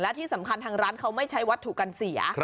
และที่สำคัญทางร้านเขาไม่ใช้วัตถุกันเสีย